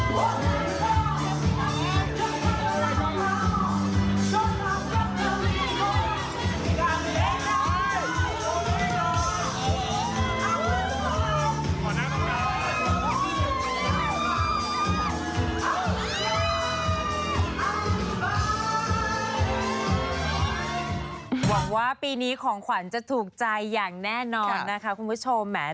หวังว่าปีนี้ของขวัญจะถูกใจอย่างแน่นอนนะคะคุณผู้ชม